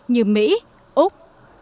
như mỹ úc